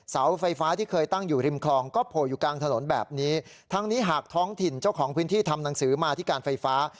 เสาไฟฟ้าที่เคยตั้งอยู่ริมคลองก็โผล่อยู่กลางถนนแบบนี้ทั้งนี้หากท้องถิ่นเจ้าของพื้นที่ทำหนังสือมาที่การไฟฟ้า